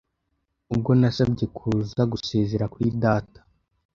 Ubwo nasabye kuza gusezera kuri data